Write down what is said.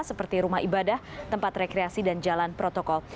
seperti rumah ibadah tempat rekreasi dan jalan protokol